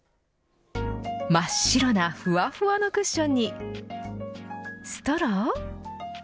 真っ白なふわふわのクッションにストロー。